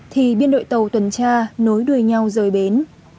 thì biên đội tàu tuần tra nối đuôi nhau rời bến